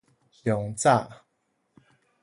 冗早